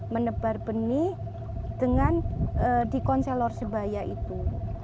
menebar benih dengan di konselor sebaya itu